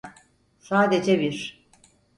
Sadece bir…